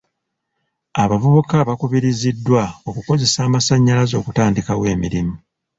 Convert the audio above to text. Abavubuka bakubiriziddwa okukozesa amasannyalaze okutandikawo emirimu.